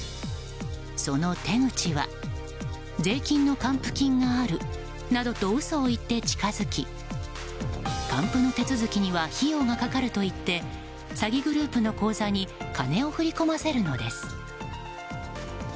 その手口は税金の還付金があるなどと嘘を言って近づき還付の手続きには費用がかかるといって詐欺グループの口座に金を振り込ませるのです。